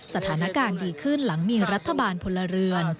สถานการณ์ดีขึ้นหลังมีรัฐบาลพลเรือน